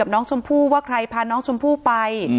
น้องชมพู่ว่าใครพาน้องชมพู่ไป